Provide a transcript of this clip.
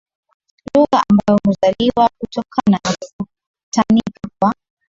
lugha ambayo huzaliwa kutokana na kukutanika kwa